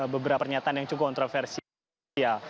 beberapa pernyataan yang cukup kontroversial